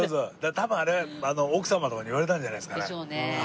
多分あれ奥様とかに言われたんじゃないですかね。でしょうね。